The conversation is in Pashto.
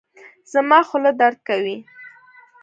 زما خوله درد کوي